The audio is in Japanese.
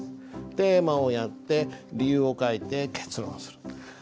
テーマをやって理由を書いて結論する。